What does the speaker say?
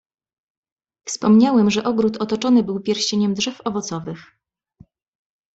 "Wspomniałem, że ogród otoczony był pierścieniem drzew owocowych."